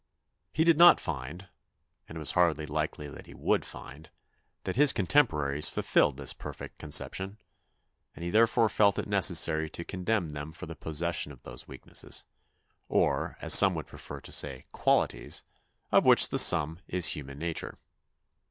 He did not find it was hardly likely that he would find that his contemporaries fulfilled this perfect conception, and he therefore felt it necessary to condemn them for the posses sion of those weaknesses, or as some would prefer to say qualities, of which the sum is human nature.